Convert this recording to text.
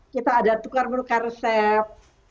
kita ada tukar menukar resep